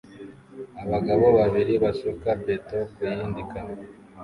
Abagabo babiri basuka beto ku yindi kamyo